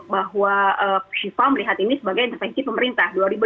bahwa fifa melihat ini sebagai intervensi pemerintah